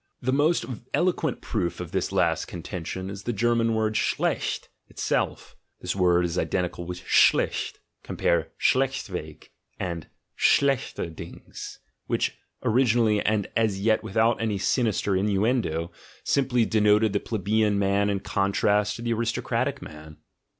The most eloquent proof of this last contention is the German word "schlccht" itself: this word is identical with "schlicht" — (compare "schlcchtivcg" and "schlcchtcr "GOOD AND EVIL," "GOOD AND BAD" 7 dings")— which, originally and as yet without any sinister innuendo, simply denoted the plebeian man in contrast to the aristocratic man.